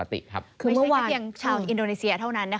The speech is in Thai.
ไม่ใช่กระเทียงชาวอินโดนีเซียเท่านั้น